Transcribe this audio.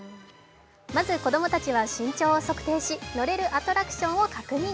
まず子供たちは、身長を測定し、乗れるアトラクションを確認。